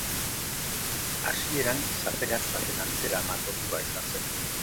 Hasieran zapelatz baten antzera margotua izan zen.